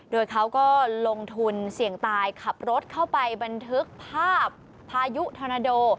โดยเขาก็ลงทุนเสี่ยงตายขับรถเข้าไปบันทึกภาพพายุธอนาโด